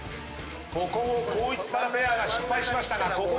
ここを光一さんペアが失敗しましたがここはどうか？